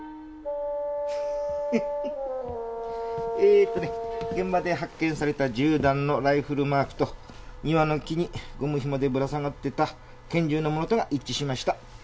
フフフフえーとね現場で発見された銃弾のライフルマークと庭の木にゴムひもでぶら下がってた拳銃のものとが一致しました。